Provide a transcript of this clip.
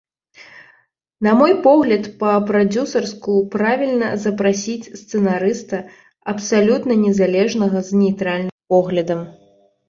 На мой погляд, па-прадзюсарску правільна запрасіць сцэнарыста абсалютна незалежнага, з нейтральным поглядам.